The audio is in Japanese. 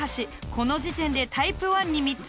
この時点でタイプ１に３つ。